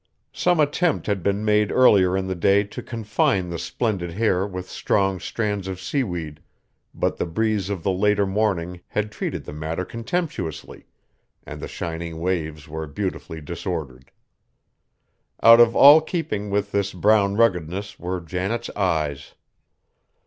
Some attempt had been made earlier in the day to confine the splendid hair with strong strands of seaweed, but the breeze of the later morning had treated the matter contemptuously, and the shining waves were beautifully disordered. Out of all keeping with this brown ruggedness were Janet's eyes.